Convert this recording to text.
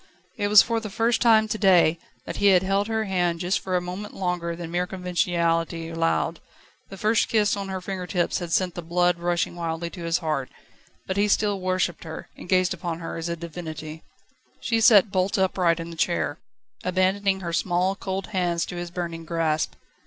It was for the first time to day, that he had held her hand just for a moment longer than mere conventionality allowed. The first kiss on her finger tips had sent the blood rushing wildly to his heart; but he still worshipped her, and gazed upon her as upon a divinity. She sat bolt upright in the chair, abandoning her small, cold hands to his burning grasp.